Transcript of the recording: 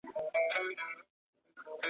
ډېر به دي رقیبه جهاني د سترګو غشی وي .